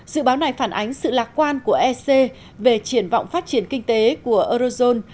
dự báo này phản ánh sự lạc quan của ec về triển vọng phát triển kinh tế của eurozone